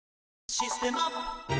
「システマ」